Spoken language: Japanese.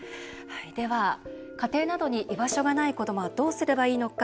では、家庭などに居場所がない子どもはどうすればいいのか。